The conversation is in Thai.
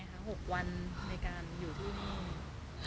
มันจะว่า